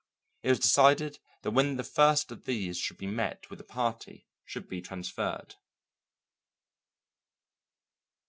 It was decided that when the first of these should be met with the party should be transferred.